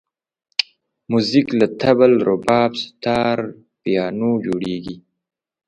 موزیک له طبل، رباب، ستار، پیانو جوړېږي.